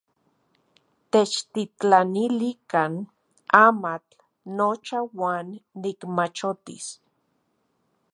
Techtitlanilikan amatl nocha uan nikmachotis.